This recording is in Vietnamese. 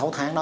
sáu tháng đó